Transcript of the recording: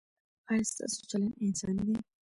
ایا ستاسو چلند انساني دی؟